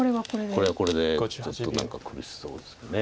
これはこれでちょっと何か苦しそうですよね。